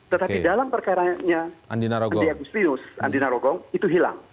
tetapi dalam perkaranya andina agustinus andina rogong itu hilang